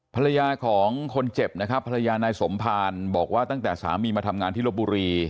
ภรรยาของคนเจ็บนะครับภรรยานายสมภารบอกว่าตั้งแต่สามีมาทำงานที่ลบบุรี